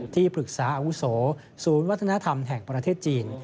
ที่ปรึกษาอาวุโสศูนย์วัฒนธรรมแห่งประเทศจีน